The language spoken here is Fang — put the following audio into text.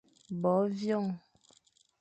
Bo vyoñ.